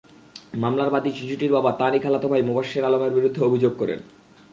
মামলার বাদী শিশুটির বাবা তাঁরই খালাতো ভাই মোবাশ্বের আলমের বিরুদ্ধে অভিযোগ করেন।